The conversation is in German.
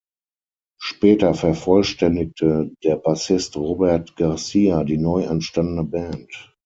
Später vervollständigte der Bassist Robert Garcia die neu entstandene Band.